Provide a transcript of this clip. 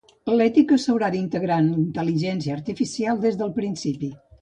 L'ètica s'haurà d'integrar en l'intel·ligència artificial des del principi.